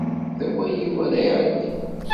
D awal-iw ara iɛeddin